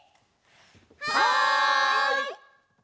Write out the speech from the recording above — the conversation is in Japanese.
はい！